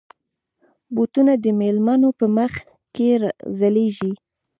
بوټونه د مېلمنو په مخ کې ځلېږي.